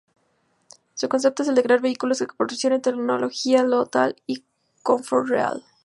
Su concepto es el de crear vehículos que proporcionen "Tecnología Total" y "Confort Real".